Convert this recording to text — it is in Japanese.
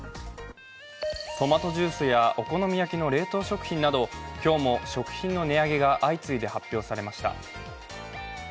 トマトジュースやお好み焼きの冷凍食品など今日も食品の値上げが相次いで発表されました。